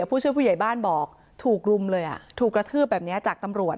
ผู้ช่วยผู้ใหญ่บ้านบอกถูกรุมเลยอ่ะถูกกระทืบแบบนี้จากตำรวจ